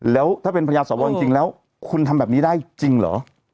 แล้วถ้าเป็นภรรยาสวจริงแล้วคุณทำแบบนี้ได้จริงเหรอ